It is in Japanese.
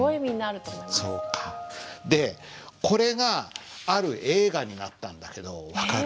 そういうのこれがある映画になったんだけど分かる？